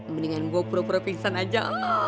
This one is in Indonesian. mendingan gue pura pura pingsan aja